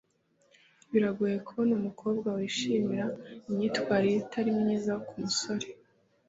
Biragoye kubona umukobwa wishimira imyitwarire itari myiza ku musore